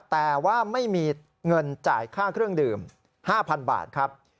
แต่ว่าไม่มีเงินจ่ายค่าเครื่องดื่ม๕๐๐๐บาทครับ